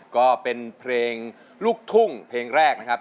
ก็เป็นเพลงลูกทุ่งเพลงแรกนะครับ